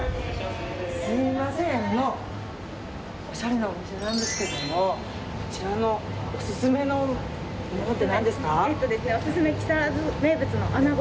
すみませんおしゃれなお店なんですけどもこちらのオススメのものって何ですか？